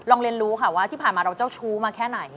เรียนรู้ค่ะว่าที่ผ่านมาเราเจ้าชู้มาแค่ไหน